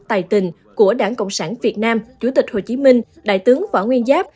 tài tình của đảng cộng sản việt nam chủ tịch hồ chí minh đại tướng võ nguyên giáp